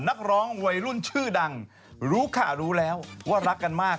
นักร้องวัยรุ่นชื่อดังรู้ค่ะรู้แล้วว่ารักกันมาก